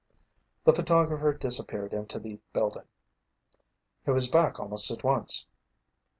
The photographer disappeared into the building. He was back almost at once.